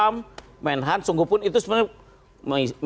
menhan sungguhpun itu sebenarnya